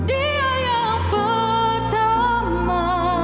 dia yang pertama